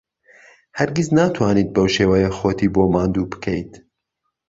هەرگیز ناتوانیت بەو شێوەیە خۆتی بۆ ماندوو بکەیت.